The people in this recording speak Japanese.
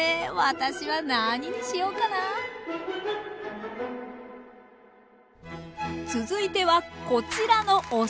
私は何にしようかな続いてはこちらのおすし。